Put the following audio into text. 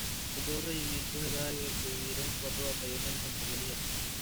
Los dos regimientos de Jäger se dividieron en cuatro batallones de infantería ligera.